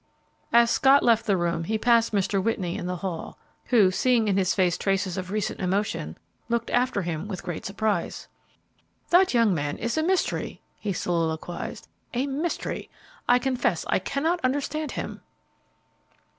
As Scott left the room, he passed Mr. Whitney in the hall, who, seeing in his face traces of recent emotion, looked after him with great surprise. "That young man is a mystery!" he soliloquized. "A mystery! I confess I cannot understand him."